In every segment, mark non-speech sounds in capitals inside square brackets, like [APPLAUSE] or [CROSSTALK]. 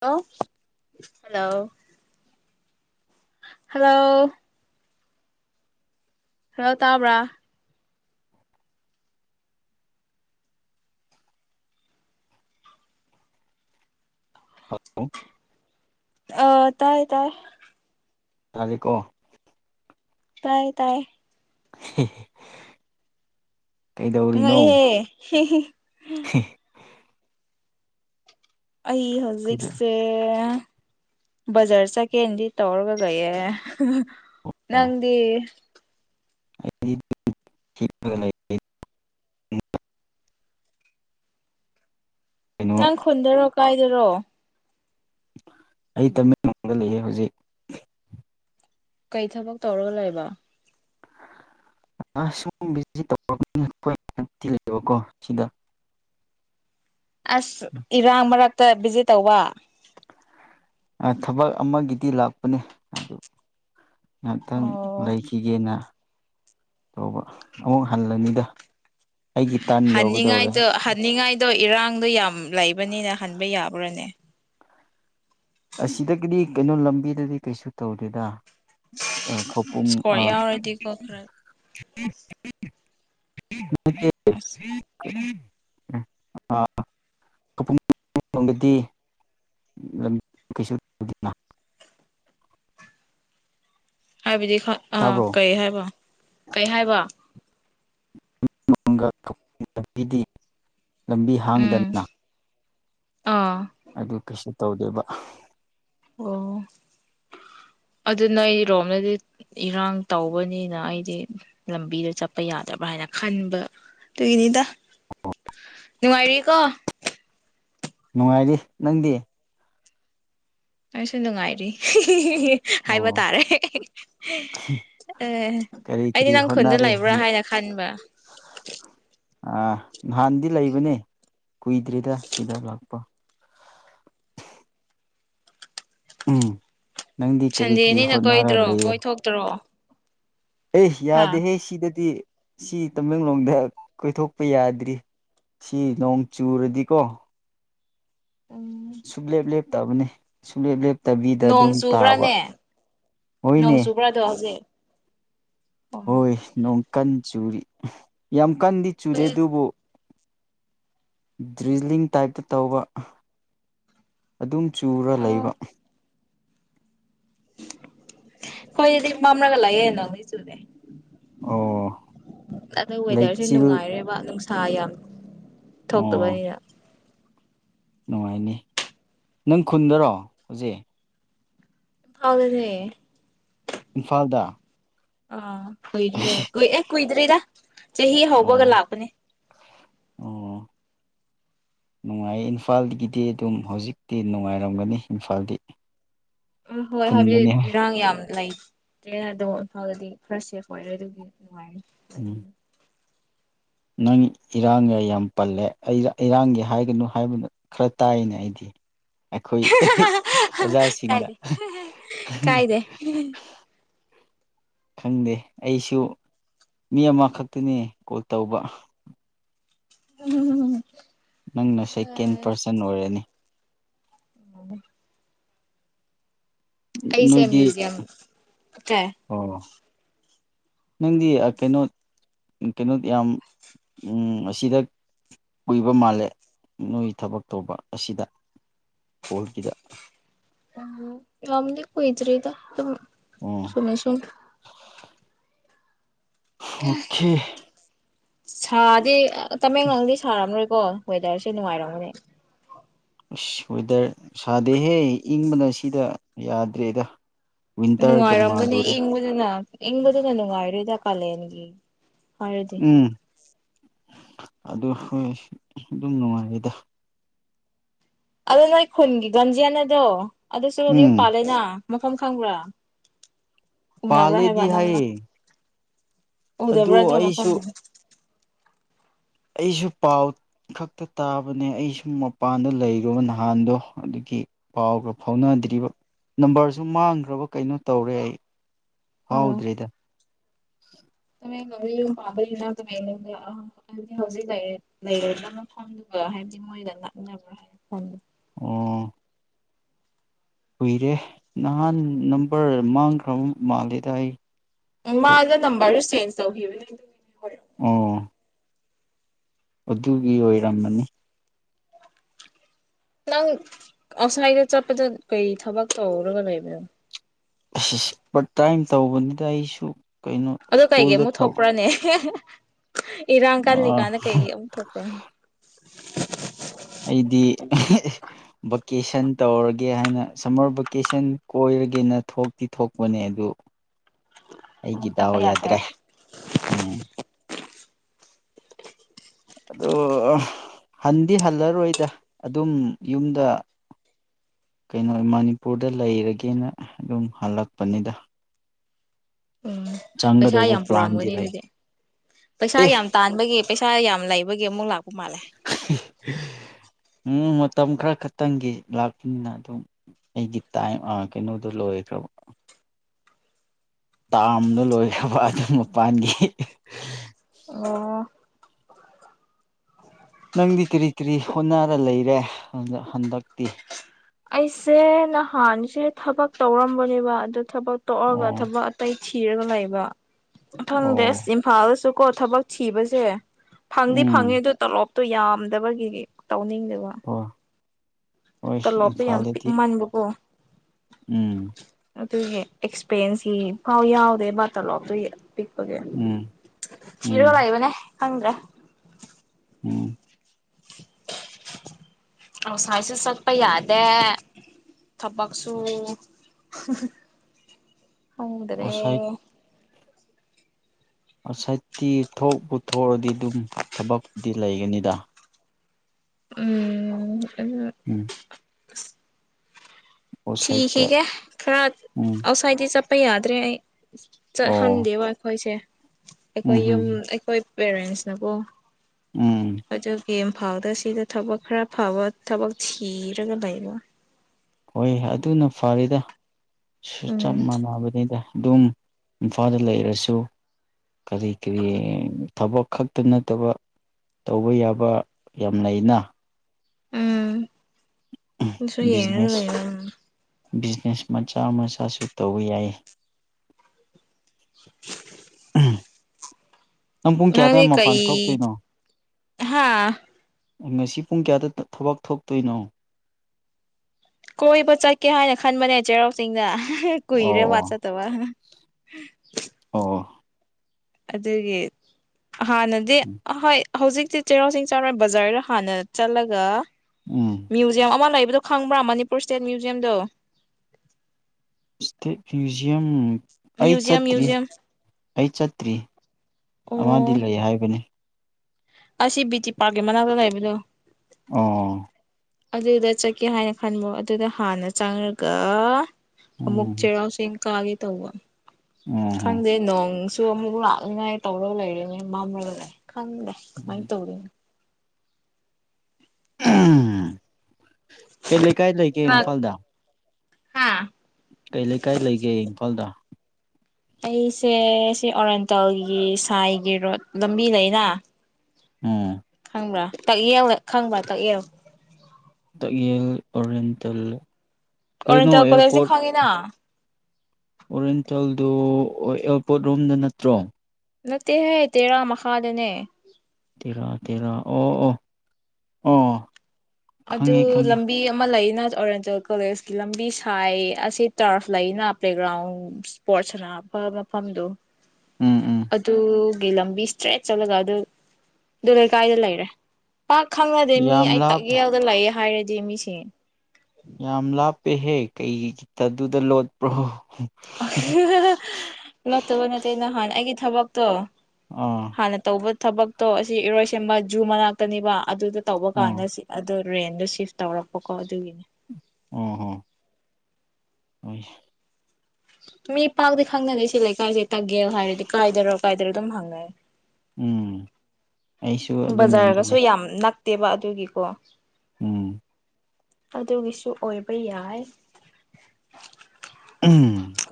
hello hello hello hello ꯇꯥꯕ꯭ꯔꯥ hello ꯑ ꯇꯥꯏ ꯇꯥꯏ ꯇꯔꯦꯀꯣ ꯇꯥꯏ ꯇꯥꯏ ꯍꯦ ꯍꯦ ꯉꯛ ꯏꯍꯦ ꯍꯦ ꯍꯦ [INAUDIBLE] ꯍꯝ ꯑꯩ ꯀꯩꯗ ꯍꯧꯖꯤꯛꯁꯦ ꯕꯖꯥꯔ ꯆꯠꯀꯦ ꯅꯗꯤ ꯇꯧꯔꯒ ꯂꯩꯌꯦ ꯍꯥ ꯑꯣ ꯅꯪꯗꯤ [UNINTELLIGIBLE] ꯀꯩꯅꯣ ꯅꯪ ꯈꯨꯟꯗ ꯔꯣ ꯀꯥꯏꯗꯔꯣ ꯑꯩ ꯇꯃꯦꯡꯂꯣꯡꯗ ꯂꯩꯌꯦ ꯍꯧꯖꯤꯛ ꯀꯩ ꯊꯕꯛ ꯇꯧꯔꯒ ꯂꯩꯕ ꯑ ꯁꯨꯝ ꯇꯧ ꯂꯩꯕꯀꯣ ꯁꯤꯗ [UNINTELLIGIBLE] ꯑꯁ ꯏꯔꯥ ꯃꯔꯛ ꯕꯤꯖꯤ ꯇꯧꯕ ꯊꯕꯛ ꯑꯃꯒꯤꯗꯤ ꯂꯥꯛꯄꯅꯦ ꯑꯗꯨ ꯉꯥꯛꯇꯪ ꯑꯣ ꯂꯩꯈꯤꯒꯦꯅ ꯇꯧꯕ ꯑꯃꯨꯛ ꯍꯜꯂꯅꯤꯗ ꯑꯩꯒꯤ ꯇꯥꯟ ꯌꯧꯒꯗꯧꯔꯦ ꯍꯅꯤꯡꯥꯏꯇꯣ ꯍꯅꯤꯡꯥꯏ ꯑꯗꯣ ꯏꯔꯥꯡꯗꯣ ꯌꯥꯝ ꯂꯩꯕꯅꯤꯅ ꯍꯟꯕ ꯌꯥꯕ꯭ꯔꯥꯅꯦ ꯑꯁꯤꯗꯒꯤꯗꯤ ꯀꯩꯅꯣ ꯂꯝꯕꯤꯗꯗꯤ ꯀꯩꯁꯨ ꯇꯧꯗꯦꯗ ꯈꯧꯄꯨꯝ ꯏꯁꯀꯣꯔ ꯌꯥꯎꯔꯗꯤꯀꯣ ꯈꯔ [INAUDIBLE] ꯑꯁ [UNINTELLIGIBLE] [UNINTELLIGIBLE] ꯂꯝ ꯀꯁꯨꯎꯗꯅ ꯍꯥꯏꯕꯤꯗꯤ ꯑꯥ ꯇꯥꯕ꯭ꯔꯣ ꯀꯩ ꯍꯥꯏꯕ ꯀꯩ ꯍꯥꯏꯕ [UNINTELLIGIBLE] ꯂꯝꯕꯤ ꯎꯝ ꯍꯥꯡꯏꯗꯅ ꯑꯥ ꯑꯗꯨ ꯀꯩꯁꯨ ꯇꯧꯗꯦꯕ ꯑꯣ ꯑꯗꯨ ꯅꯣꯢꯔꯣꯝꯅꯗꯤ ꯏꯔꯥꯡ ꯇꯧꯕꯅꯤꯅ ꯑꯩꯗꯤ ꯂꯝꯕꯤꯗꯣ ꯆꯠꯄ ꯌꯥꯗꯕ꯭ꯔꯥ ꯍꯥꯏꯅ ꯈꯟꯕ ꯑꯗꯨꯢꯅꯤꯗ ꯅꯨꯡꯉꯥꯏꯔꯤꯀꯣ ꯅꯨꯡꯉꯥꯏꯔꯤ ꯅꯪꯗꯤ ꯑꯩꯁꯨ ꯅꯨꯡꯉꯥꯏꯔꯤ ꯍꯥꯏꯕ ꯑꯣ ꯇꯥꯔꯦ ꯍꯦ ꯍꯦ ꯍꯦ ꯑꯦ ꯀꯔꯤ ꯑꯩꯗꯤ ꯀꯔꯤ ꯅꯪ ꯈꯨꯟꯗ ꯍꯣꯠꯅꯔꯤ ꯂꯩꯕ꯭ꯔꯥ ꯍꯟꯗꯛ ꯍꯥꯏꯅ ꯈꯟꯕ ꯑꯥ ꯅꯍꯥꯟꯗꯤ ꯂꯩꯕꯅꯦ ꯀꯨꯏꯗ꯭ꯔꯤꯗ ꯁꯤꯗ ꯂꯥꯛꯄ ꯎꯝ ꯅꯪꯗꯤ ꯀꯔꯤ ꯀꯔꯤ ꯁꯟꯗꯦꯅꯤꯅ ꯍꯣꯠꯅꯔ ꯀꯣꯏꯗ꯭ꯔꯣ ꯀꯣꯏꯊꯣꯛꯇ꯭ꯔꯣ ꯑꯦꯍ ꯍꯥ ꯌꯥꯗꯦꯍꯤ ꯁꯤꯗꯗꯤ ꯁꯤ ꯇꯃꯦꯡꯂꯣꯡꯗ ꯀꯣꯏꯊꯣꯛꯄ ꯌꯥꯗ꯭ꯔꯤ ꯁꯤ ꯅꯣꯡ ꯆꯨꯔꯗꯤꯀꯣ ꯎꯝ ꯇꯥꯕꯅꯤ ꯁꯨꯂꯦꯞ ꯂꯦꯞ ꯅꯣꯡ ꯆꯨꯕ꯭ꯔꯥꯅꯦ ꯅꯣꯡ ꯍꯣꯏꯅꯦ ꯆꯨꯕ꯭ꯔꯥꯗꯣ ꯍꯧꯖꯤꯛ ꯑꯣ ꯍꯣꯏ ꯅꯣꯡ ꯀꯟꯆꯨꯔꯤ ꯌꯥꯝ ꯀꯟꯗꯤ ꯆꯨꯨꯗꯦ ꯑꯗꯨꯕꯨ ꯗ꯭ꯔꯤꯖꯂꯤꯡ ꯇꯥꯏꯞꯇ ꯇꯧꯕ ꯑꯗꯨꯝ ꯆꯨꯔ ꯑꯣ ꯂꯩꯕ ꯍꯣꯏ ꯑꯗꯨꯗꯤ ꯃꯥꯝꯂꯒ ꯂꯩꯌꯦ ꯅꯣꯡꯗꯤ ꯆꯨꯗꯦ ꯑꯣ ꯑꯗꯣ ꯋꯦꯗꯔꯁꯦ ꯂꯩꯆꯤꯜ ꯅꯨꯡꯉꯥꯏꯔꯦꯕ ꯅꯨꯡ ꯍꯥꯌꯥꯝ ꯑꯣ ꯊꯣꯛꯇꯕꯩꯔ ꯅꯨꯡꯉꯥꯏꯅꯤ ꯅꯪ ꯈꯨꯟꯗꯔꯣ ꯍꯧꯖꯤꯛ ꯐꯥꯎꯗꯅꯦ ꯏꯝꯐꯥꯜꯗ ꯑꯥ ꯀꯨꯏꯔꯦ ꯀꯨꯏ ꯑꯦ ꯀꯨꯏꯗ꯭ꯔꯤꯗ ꯆꯍꯤ ꯍꯧꯕꯒ ꯑꯣ ꯂꯥꯛꯄꯅꯦ ꯑꯣ ꯅꯨꯡꯉꯥꯏ ꯏꯝꯐꯥꯜꯗꯒꯤꯗꯤ ꯑꯗꯨꯝ ꯍꯧꯖꯤꯛꯇꯤ ꯅꯨꯡꯉꯥꯏꯔꯝꯒꯅꯤ ꯏꯝꯐꯥꯜꯗꯤ ꯎꯝ ꯍꯣꯏ ꯍꯥꯏꯕꯗꯤ ꯈꯨꯟꯗꯅꯤ ꯏꯔꯥꯡ ꯌꯥꯝ ꯂꯩ ꯀ꯭ꯂꯤꯌꯔꯗꯣ ꯏꯝꯐꯥꯜꯗꯗꯤ ꯈꯔ ꯁꯦꯐ ꯑꯣꯏꯔꯦ ꯑꯗꯨꯒꯤ ꯅꯨꯡꯉꯥꯏꯔꯦ ꯎꯝ ꯂꯩꯕꯗꯣ ꯅꯪ ꯏꯔꯥꯡꯒ ꯌꯥꯝ ꯄꯜꯂꯦ ꯏꯔꯥꯡꯒꯤ ꯍꯥꯏꯒꯅꯨ ꯍꯥꯏꯕꯗꯨ ꯈꯔ ꯇꯥꯏꯅꯦ ꯑꯩꯗꯤ ꯑꯩꯈꯣꯏ ꯏꯍꯦ ꯑꯣꯖꯥꯁꯤꯡꯅ ꯀꯥꯏꯗꯦ ꯍꯥ ꯍꯥ ꯀꯥꯏꯗꯦ ꯈꯪꯗꯦ ꯑꯩꯁꯨ ꯃꯤ ꯑꯃꯈꯛꯇꯅꯤ ꯀꯣꯜ ꯇꯧꯕ ꯎꯝ ꯅꯪꯅ ꯁꯦꯀꯦꯟ ꯄꯥꯔꯁꯟ ꯑꯣꯏꯔꯅꯤ ꯎ [INAUDIBLE] ꯑꯩꯁꯦ ꯅꯣꯏꯗꯤ ꯃ꯭ꯌꯨꯖꯌꯝ ꯀ ꯑꯣ ꯅꯪꯗꯤ ꯀꯩꯅꯣ ꯀꯩꯅꯣ ꯌꯥꯝ ꯑꯁꯤꯗ ꯀꯨꯏꯕ ꯃꯥꯜꯂꯦ ꯅꯣꯏ ꯊꯕꯛ ꯇꯧꯕ ꯑꯁꯤꯗ ꯀꯣꯜꯒꯤꯗ ꯋꯥꯪꯉꯨ ꯂꯝꯗꯤ ꯀꯣꯏꯗ꯭ꯔꯤꯗ ꯁꯨꯝ ꯑꯣ ꯁꯅꯤꯁꯤ ꯑꯣꯀꯦ ꯁꯗꯦ ꯇꯃꯦꯡꯂꯣꯡꯗꯤ ꯁꯥꯔꯝꯔꯣꯏꯀꯣ ꯋꯦꯗꯔꯁꯦ ꯅꯨꯡꯉꯥꯏꯔꯝꯒꯅꯤ ꯑꯁ ꯋꯦꯗꯔ ꯁꯥꯗꯦꯍꯦ ꯏꯪꯕꯅ ꯁꯤꯗ ꯌꯥꯗ꯭ꯔꯦꯗ ꯋꯤꯟꯇꯔꯒ ꯅꯨꯡꯉꯥꯏꯔꯝꯒꯅꯤ ꯃꯥꯜꯂꯨꯔꯦ ꯏꯪꯕꯗꯨꯅ ꯏꯪꯕꯗꯨꯅ ꯅꯨꯡꯉꯥꯏꯔꯦꯗ ꯄꯂꯦꯟꯒꯤ ꯍꯥꯏꯗꯤ ꯎꯝ ꯑꯗꯨ ꯍꯣꯏ ꯑꯗꯨꯝ ꯅꯨꯡꯉꯥꯏꯔꯦꯗ ꯑꯗꯣ ꯅꯣꯏ ꯈꯨꯨꯟꯒꯤ ꯒꯪꯖꯌꯥꯅꯗꯣ ꯑꯗꯁꯨ ꯑꯗꯨꯝ ꯎꯝ ꯄꯂꯦꯅ ꯃꯐꯝ ꯈꯪꯕ꯭ꯔꯥ ꯎꯅꯕ꯭ꯔꯥ ꯄꯂꯦꯗꯤ ꯍꯥꯏꯑꯌꯦ ꯎꯗꯕ꯭ꯔ ꯑꯗꯨ ꯃꯐꯝꯗꯣ ꯑꯩꯁꯨ ꯄꯥꯎ ꯈꯛꯇ ꯇꯥꯕꯅꯦ ꯑꯩꯁꯨ ꯃꯄꯥꯟꯗ ꯂꯩꯔꯨꯕ ꯅꯍꯥꯟꯗꯣ ꯑꯗꯨꯒꯤ ꯄꯥꯎꯒ ꯐꯥꯎꯅꯗ꯭ꯔꯤꯕ ꯅꯝꯕꯔꯁꯨ ꯃꯥꯡꯈ꯭ꯔꯕ ꯀꯩꯅꯣ ꯇꯧꯔꯦ ꯑꯩ ꯑꯣ ꯍꯥꯎꯗ꯭ꯔꯤꯗ [INAUDIBLE] ꯑꯩꯒ ꯃꯤꯒ ꯃꯥꯟꯕꯔꯥ [UNINTELLIGIBLE] ꯍꯥꯏꯕꯗꯤ ꯍꯧꯖꯤꯛ ꯂꯩꯔ ꯂꯩꯔꯗꯕ ꯃꯐꯝꯗꯨꯒ ꯍꯥꯏꯕꯗꯤ ꯃꯣꯏꯒ ꯅꯛꯅꯕ꯭ꯔꯥ ꯍꯣꯢ ꯑꯣ ꯀꯨꯏꯔꯦ ꯅꯍꯥꯟ ꯅꯝꯕꯔ ꯃꯥꯡꯈ꯭ꯔꯕ ꯃꯥꯜꯂꯦꯗ ꯑꯩ ꯃꯥꯥꯗꯣ ꯅꯝꯕꯔ ꯆꯦꯟꯖ ꯆꯧ [UNINTELLIGIBLE] ꯑꯣ ꯑꯗꯨꯒꯤ ꯑꯣꯏꯔꯝꯒꯅꯤ ꯅꯪ ꯑꯥꯎꯠꯁꯥꯏꯗ ꯆꯠꯄꯗ ꯀꯩ ꯊꯕꯛ ꯇꯧꯔꯒ ꯂꯩꯕꯅꯣ ꯑꯁ ꯑꯁ ꯄꯔꯠꯇꯥꯏꯝ ꯇꯧꯕꯅꯤꯗ ꯑꯩꯁꯨ ꯀꯩꯅꯣ ꯑꯗꯣ ꯀꯩꯒꯤ ꯁ꯭ꯀꯨꯜꯗ ꯑꯃꯨꯛ ꯊꯕꯛ ꯊꯣꯛꯄ꯭ꯔꯥꯅꯦ ꯏꯔꯥꯡ ꯑꯥ ꯀꯜꯂꯤꯀꯥꯟꯅ ꯀꯩꯒꯤ ꯑꯃꯛ ꯊꯣꯛꯄ꯭ꯔꯥ ꯑꯩꯗꯤ ꯑꯦ ꯍꯦ ꯑꯦ ꯚꯦꯀꯦꯁꯟ ꯇꯧꯔꯒꯦ ꯍꯥꯏꯅ ꯁꯝꯃꯔ ꯚꯦꯀꯦꯁꯟ ꯀꯣꯏꯔꯒꯦꯅ ꯊꯣꯛꯇꯤ ꯊꯣꯛꯄꯅꯦ ꯑꯗꯨ ꯑꯩꯒꯤ ꯑꯃꯨꯛ ꯗꯥꯎ ꯆꯠꯄ ꯌꯥꯗꯦ ꯌꯥꯗ꯭ꯔꯦ ꯎꯝ ꯑꯗꯣ ꯍꯟꯗꯤ ꯍꯜꯂꯔꯣꯏꯗ ꯑꯗꯨꯝ ꯌꯨꯝꯗ ꯀꯩꯅꯣ ꯃꯅꯤꯄꯨꯔꯗ ꯂꯩꯔꯒꯦꯅ ꯑꯗꯨꯝ ꯍꯜꯂꯛꯄꯅꯤꯗ ꯎꯝ ꯄꯩꯁꯥ ꯆꯪꯒꯗꯧꯕ ꯌꯥꯝ ꯄ꯭ꯂꯥꯟꯗꯤ ꯄꯨꯔꯝꯒꯅꯤ ꯂꯩ ꯑꯗꯨꯗꯤ ꯄꯩꯁꯥ ꯑꯦ ꯌꯥꯝ ꯇꯥꯟꯕꯒꯤ ꯄꯩꯁꯥ ꯌꯥꯝ ꯂꯩꯕꯒꯤ ꯑꯃꯨꯛꯂꯥꯛ ꯎ ꯃꯥꯜꯂꯦ ꯎꯝ ꯃꯇꯝ ꯈꯔ ꯈꯛꯇꯪꯒꯤ ꯂꯥꯛꯄꯅꯤꯅ ꯑꯗꯨꯝ ꯑꯩꯒꯤ ꯇꯥꯏꯝ ꯑ ꯀꯩꯅꯣꯗꯣ ꯂꯣꯏꯈ꯭ꯔꯕ ꯇꯥꯝꯗꯣ ꯂꯣꯏꯈ꯭ꯔꯕ ꯑꯗꯨ ꯃꯄꯥꯟꯒꯤ ꯑꯥ ꯅꯪꯗꯤ ꯀꯔꯤ ꯀꯔꯤ ꯍꯣꯠꯅꯔ ꯂꯩꯔꯦ ꯍꯟ ꯍꯟꯗꯛꯇꯤ ꯑꯩꯁꯦ ꯅꯍꯥꯟꯁꯦ ꯊꯕꯛ ꯇꯧꯔꯝꯕꯅꯦꯕ ꯑꯗꯨ ꯊꯕꯛ ꯇꯣꯛꯑꯒ ꯑꯣ ꯊꯕꯛ ꯑꯇꯩ ꯊꯤꯔꯒ ꯂꯩꯕ ꯑꯣ ꯈꯪꯗꯦꯁ ꯏꯝꯐꯥꯜꯁꯨ ꯀꯣ ꯊꯕꯛ ꯊꯤꯕꯁꯦ ꯐꯪꯗꯤ ꯎꯝ ꯐꯪꯉꯦ ꯑꯗꯨ ꯇꯣꯂꯣꯞ ꯇꯨ ꯌꯥꯝꯗꯕꯒꯤ ꯇꯧꯅꯤꯡꯗꯕ ꯍꯣꯏ ꯍꯣꯏ ꯇꯣꯂꯣꯞ ꯁꯦ ꯌꯥꯝ ꯏꯝꯐꯥꯜꯗꯗꯤ ꯄꯤꯛꯃꯟꯕꯀꯣ ꯎꯝ ꯑꯗꯨꯒꯤ ꯑꯦꯛꯁꯄꯦꯔꯦꯟꯁꯀꯤ ꯐꯥꯎ ꯌꯥꯎꯗꯦꯕ ꯇꯣꯂꯣꯞꯇꯨꯒꯤ ꯄꯤꯛꯄꯒꯤ ꯎꯝ ꯎꯝ ꯊꯤꯔꯒ ꯂꯩꯕꯅꯦ ꯈꯪꯗ꯭ꯔꯦ ꯎꯝ ꯑꯁ ꯉꯥꯏꯁꯨ ꯆꯠꯄ ꯌꯥꯗꯦ ꯊꯕꯛꯁꯨꯨ ꯍꯥ ꯍꯥ ꯈꯪꯗ꯭ꯔꯦ ꯑꯥꯎꯠꯁꯥꯏꯠ ꯑꯥꯎꯁꯥꯏꯠꯇꯤ ꯊꯣꯛꯄꯨ ꯊꯣꯛꯑꯗꯤ ꯑꯗꯨꯝ ꯊꯕꯛꯇꯤ ꯂꯩꯒꯅꯤꯗ ꯎꯝ ꯎꯝ ꯑꯁ ꯑꯥꯎꯠꯁꯥꯏꯠꯇ ꯊꯤꯈꯤꯒꯦ ꯈꯔ ꯎꯝ ꯑꯥꯎꯁꯥꯏꯠꯗꯤ ꯆꯠꯄ ꯑ ꯌꯥꯗꯔꯦ ꯑꯩ ꯑꯣ ꯆꯠꯍꯟꯗꯦꯕ ꯑꯩꯈꯣꯏꯁꯦ ꯑꯩꯈꯣꯏ ꯎꯝ ꯎꯝ ꯌꯨꯝ ꯑꯩꯈꯣꯏ ꯄꯦꯕꯦꯁꯅ ꯀꯣ ꯎꯝ ꯌꯦꯝ ꯐꯥꯜꯗ ꯁꯤꯗ ꯊꯕꯛ ꯈꯔ ꯐꯕ ꯊꯕꯛ ꯊꯤꯔꯒ ꯂꯩꯕ ꯍꯣꯏ ꯑꯗꯨꯅ ꯐꯔꯦꯗ ꯁ ꯆꯞ ꯎꯝ ꯃꯥꯟꯅꯕꯅꯤꯗ ꯑꯗꯨꯝ ꯏꯝꯐꯥꯜꯗ ꯂꯩꯔꯁꯨ ꯀꯔꯤ ꯀꯔꯤ ꯊꯕꯛ ꯈꯛꯇ ꯅꯠꯇꯕ ꯇꯧꯕ ꯌꯥꯕ ꯌꯥꯝ ꯂꯩꯅ ꯍ ꯁꯨꯌꯦꯒꯅ ꯕꯤꯖꯤꯅꯦꯁ ꯃꯆꯥ ꯃꯆꯥꯁꯨ ꯇꯧꯕ ꯌꯥꯏ [INAUDIBLE] [INAUDIBLE] ꯅꯪ ꯄꯨꯡ ꯀꯌꯥ ꯇꯋꯥꯏ ꯃꯄꯥꯟ ꯊꯣꯛꯇꯣꯏꯅꯣ ꯍꯥꯥ ꯉꯁꯤ ꯄꯨꯡ ꯀꯌꯥꯗ ꯊꯕꯛ ꯊꯣꯛꯇꯣꯏꯅꯣ ꯀꯣꯏꯕ ꯆꯠꯀꯦ ꯍꯥꯏꯅ ꯈꯟꯕꯅꯦ ꯆꯩꯔꯥꯎ ꯆꯤꯡꯗ ꯍꯦ ꯀꯨꯏꯔꯦ ꯋꯥ ꯑꯣ ꯆꯠꯇꯕ ꯑꯣ ꯑꯣ ꯑꯗꯨꯗꯨꯒꯤ ꯍꯥꯟ ꯅꯗꯤ ꯍꯣꯏ ꯍꯧꯖꯤꯛꯇꯤ ꯆꯩꯔꯥꯎ ꯆꯤꯡ ꯆꯥꯎꯔꯧ ꯕꯖꯥꯔꯗ ꯍꯥꯟꯅ ꯆꯠꯂꯒ ꯎꯝ ꯃ꯭ꯌꯨꯖꯝ ꯑꯃ ꯂꯩ ꯑꯗꯨꯗꯣ ꯈꯪꯕ꯭ꯔꯥ ꯃꯅꯤꯄꯨꯔ ꯏꯁꯇꯦꯠ ꯃ꯭ꯌꯨꯖꯌꯝꯗꯣ ꯏꯁꯇ ꯃ꯭ꯌꯨꯖꯤꯌꯝ ꯑꯩ ꯃ꯭ꯌꯨꯖꯤꯌꯝ ꯆꯠꯇ꯭ꯔꯤ ꯃ꯭ꯌꯨꯖꯤꯌꯝ ꯑꯩ ꯆꯇ꯭ꯔꯤ ꯑꯃꯗꯤ ꯑꯣ ꯂꯩ ꯍꯥꯏꯕꯅꯤ ꯑꯁꯤ ꯕꯤ ꯇꯤ ꯄꯥꯔꯛꯀꯤ ꯃꯅꯥꯛꯇ ꯂꯩꯕꯗꯣ ꯑꯣ ꯑꯗꯨꯗ ꯆꯠꯀꯦ ꯍꯥꯏꯅ ꯈꯟꯕꯣ ꯑꯗꯨꯗ ꯍꯥꯟꯅ ꯆꯪꯔ ꯒ ꯑꯃꯃꯨꯛ ꯎꯝ ꯆꯩꯔꯥꯎꯆꯤꯡ ꯀꯥꯒꯦ ꯇꯧꯕ ꯎꯝ ꯈꯪꯗꯦ ꯅꯣꯡ ꯁ ꯑꯃꯨꯛ ꯂꯥꯛꯅꯤꯉꯥꯏ ꯇꯧꯔꯒ ꯂꯩꯔꯤꯅꯦ ꯃꯝꯔꯒ ꯂꯥꯛꯑꯦ ꯈꯪꯗ ꯃꯥꯏ ꯇꯧꯔꯤꯅ ꯎꯝ ꯀꯩ ꯂꯩꯀꯥꯏ ꯂꯩꯒꯦ ꯏꯝꯐꯥꯜꯗ ꯍꯥꯥ ꯀꯩ ꯂꯩꯀꯥꯏ ꯂꯩꯒꯦ ꯏꯝꯐꯥꯜꯗ ꯑꯩꯁꯦ ꯁꯤ ꯑꯣꯔꯦꯟꯇꯜꯒꯤ ꯁꯥꯏꯒꯤ ꯔꯣꯗ ꯂꯝꯕꯤ ꯂꯩꯅ ꯎꯝ ꯈꯪꯕ꯭ꯔꯥ ꯇꯛꯌꯦꯜ ꯈꯪꯕ꯭ꯔꯥ ꯇꯛꯌꯦꯜ ꯇꯛꯌꯦꯜ ꯑꯣꯔꯤꯌꯦꯟꯇꯦꯜ ꯑꯣꯔꯦꯟꯇꯦꯜ ꯀꯣꯂꯦꯖꯗꯤ ꯈꯪꯉꯤꯅꯥ ꯑꯣꯔꯦꯟꯇꯦꯜꯗꯨ ꯏꯌꯔꯄꯣꯔꯠ ꯔꯣꯝꯗ ꯅꯠꯇ꯭ꯔꯣ ꯅꯠꯇꯦ ꯍꯥꯏꯌꯦ ꯇꯦꯔꯥ ꯃꯈꯥꯗꯅꯦ ꯇꯦꯔꯥ ꯇꯦꯔꯥ ꯑꯣ ꯑꯣ ꯑꯣ ꯑꯗꯨ ꯈꯪꯉꯦ ꯈꯪꯉꯦ ꯂꯝꯕꯤ ꯑꯃ ꯂꯩ ꯅꯥꯖꯨ ꯑꯣꯔꯤꯌꯦꯟꯇꯦꯜ ꯀꯣꯂꯦꯖꯀꯤ ꯂꯝꯕꯤ ꯁꯥꯏ ꯑꯁꯤ ꯇꯔꯐ ꯂꯩꯅ ꯄ꯭ꯂꯦꯒ꯭ꯔꯥꯎꯟ ꯏꯁꯄꯣꯔꯠꯁ ꯁꯥꯅꯕ ꯃꯐꯝꯗꯨ ꯎꯝ ꯎꯝ ꯑꯗꯨ ꯒꯤ ꯂꯝꯕꯤ ꯏꯁꯇ꯭ꯔꯦꯠ ꯆꯠꯂꯒ ꯑꯗꯨ ꯑꯗꯨ ꯂꯩꯀꯥꯏꯗ ꯂꯩꯔꯦ ꯄꯥꯛ ꯈꯪꯅꯗꯦ ꯃꯤ ꯌꯥꯝ ꯑꯩ ꯂꯥꯞ ꯇꯛꯌꯦꯜ ꯂꯩꯑꯦ ꯍꯥꯏꯔꯗꯤ ꯃꯤꯁꯦ ꯑꯦꯍꯦ ꯀꯩꯒꯤ ꯈꯤꯇꯗꯨꯗ ꯂꯣꯠꯄ꯭ꯔꯣ ꯑꯍꯥ ꯍꯥ ꯍꯥ ꯅꯠꯇꯕ ꯅꯠꯇꯦ ꯅꯍꯥꯟ ꯑꯩꯒꯤ ꯊꯕꯛ ꯇꯣ ꯑꯥ ꯍꯅ ꯇꯧꯕ ꯊꯕꯛꯇꯣ ꯑꯁꯤ ꯏꯔꯣꯏ ꯁꯦꯝꯕ ꯖꯨ ꯃꯅꯥꯛꯇꯅꯤꯕ ꯑꯗꯨꯗ ꯇꯧꯕ ꯑꯥ ꯀꯥꯟꯅꯁꯤ ꯑꯗꯨ ꯔꯦꯟꯗꯣ ꯁꯤꯐ ꯇꯧꯔꯛꯄꯀꯣ ꯑꯗꯨꯒꯤꯅꯦ ꯑꯣ ꯍꯣ ꯃꯤ ꯐꯥꯎꯗꯤ ꯈꯪꯅꯔꯦ ꯁꯤ ꯂꯩꯥꯀꯥꯏꯖꯦ ꯇꯛꯌꯦꯜ ꯍꯥꯏꯔꯗꯤ ꯀꯥꯏꯗꯔꯣ ꯀꯥꯏꯗꯔꯣ ꯑꯗꯨꯝ ꯍꯪꯉꯦ ꯂꯩ ꯎꯝ ꯑꯩꯁꯨ ꯕꯖꯥꯔꯒꯁꯨ ꯑꯗꯨꯅꯅꯤꯅꯦ ꯌꯥꯝ ꯅꯛ ꯇꯦꯕ ꯑꯗꯨꯒꯤꯀꯣ ꯎꯝ ꯑꯗꯨꯒꯤꯁꯨ ꯑꯣꯏꯕ ꯌꯥꯏ ꯎꯝ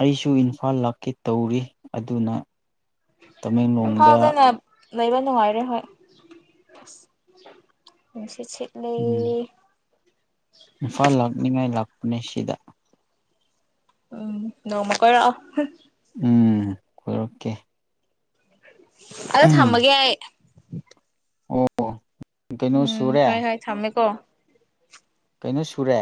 ꯑꯩꯁꯨ ꯏꯝꯐꯥꯜ ꯂꯥꯛꯀꯦ ꯇꯧꯔꯤ ꯑꯗꯨꯅ ꯇꯃꯦꯡꯂꯣꯡꯗ ꯏꯝꯐꯥꯜꯗꯅ ꯂꯩꯕ ꯅꯨꯡꯉꯥꯏꯔꯦ ꯍꯣꯏ ꯁꯤꯠ ꯂꯩ ꯏꯨꯐꯥꯜ ꯂꯥꯛ ꯅꯤꯡꯅꯤꯉꯥꯏ ꯂꯥꯛ ꯃꯦꯁꯤꯗ ꯎꯝ ꯅꯣꯡ ꯃꯇꯥ ꯂꯥꯑꯣ ꯎꯝ ꯀꯣꯏꯔꯛꯀꯦ ꯑꯗꯣ ꯊꯝꯃꯒꯦ ꯑꯩ [INAUDIBLE] ꯑꯣ ꯀꯩꯅꯣ ꯎꯝ ꯁꯨꯔꯦ ꯍꯣꯏ ꯍꯣꯏ ꯊꯝꯃꯦꯀꯣ ꯀꯩꯅꯣ ꯁꯨꯔꯦ